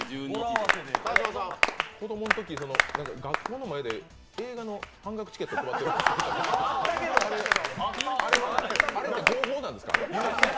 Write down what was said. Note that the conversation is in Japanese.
子供のとき学校の前で映画の半額チケット配ってたけどあれって合法なんですか。